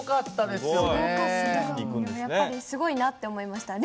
でもやっぱりすごいなって思いました。